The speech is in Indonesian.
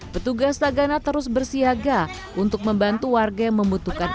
petugas tagana terus bersiaga untuk membantu warga yang membutuhkan